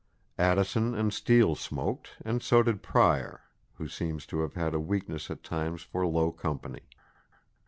Addison and Steele smoked, and so did Prior, who seems to have had a weakness at times for low company.